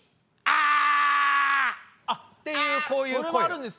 あぁ！っていうこういう声。